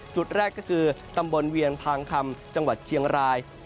จุดแรกก็คือตำบลเวียนพางคำจังหวัดเชียงราย